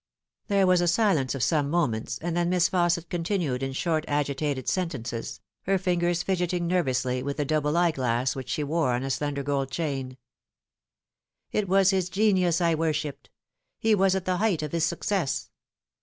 There was a silence of some moments, and then Miss Fausset continued in short agitated sentences, her fingers fidgeting ner vously with the double eyeglass which she wore on a slender gold chain :" It was his genius I worshipped. He was at the height of his success.